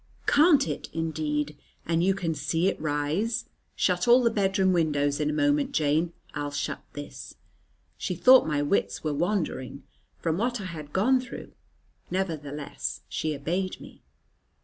"Can't it indeed? And you can see it rise. Shut all the bedroom windows in a moment, Jane. I'll shut this." She thought my wits were wandering, from what I had gone through; nevertheless she obeyed me.